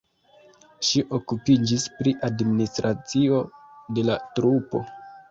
Ŝi okupiĝis pri administracio de la trupo.